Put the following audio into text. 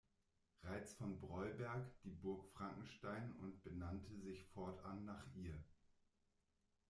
Reiz von Breuberg die Burg Frankenstein und benannte sich fortan nach ihr.